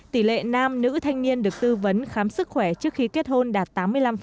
tỷ lệ nam nữ thanh niên được tư vấn khám sức khỏe trước khi kết hôn đạt tám mươi năm